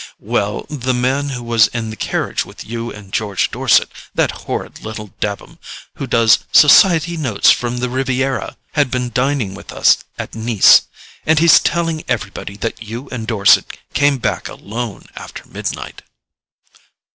"Well, the man who was in the carriage with you and George Dorset—that horrid little Dabham who does 'Society Notes from the Riviera'—had been dining with us at Nice. And he's telling everybody that you and Dorset came back alone after midnight."